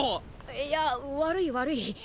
いや悪い悪い。